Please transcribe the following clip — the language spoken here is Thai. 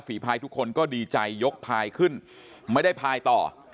พายทุกคนก็ดีใจยกพายขึ้นไม่ได้พายต่อ